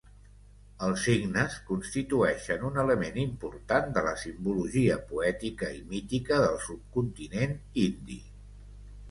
Els cignes constitueixen un element important de la simbologia poètica i mítica del subcontinent indi.